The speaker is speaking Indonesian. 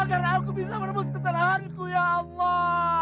agar aku bisa menembus ketelahanku ya allah